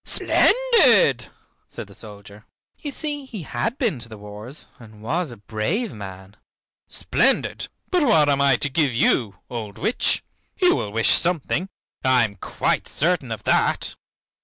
"Splendid!" said the soldier. You see he had been to the wars and was a brave man. "Splendid! But what am I to give you, old witch? You will wish something, I am quite certain of that."